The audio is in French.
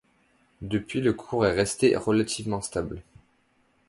Depuis le cours est resté relativement stable.